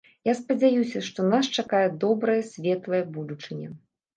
Я спадзяюся, што нас чакае добрая, светлая будучыня.